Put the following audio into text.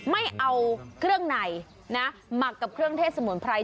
ไม่เอาเครื่องในนะหมักกับเครื่องเทศสมุนไพร